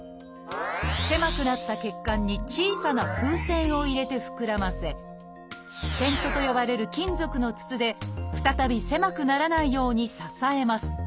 狭くなった血管に小さな風船を入れて膨らませ「ステント」と呼ばれる金属の筒で再び狭くならないように支えます。